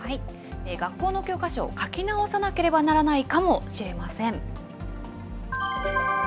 学校の教科書、書き直さなければならないかもしれません。